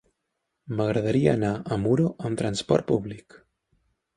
M'agradaria anar a Muro amb transport públic.